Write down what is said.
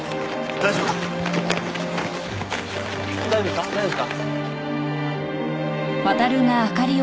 大丈夫ですか？